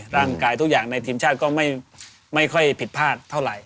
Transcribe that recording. ร่างกายทุกอย่างในทีมชาติก็ไม่ค่อยผิดพลาดเท่าไหร่